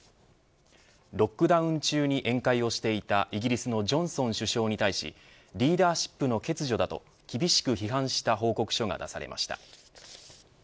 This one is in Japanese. ロックダウン中に宴会をしていたイギリスのジョンソン首相に対しリーダーシップの欠如だと厳しく批判した報告書が出されました。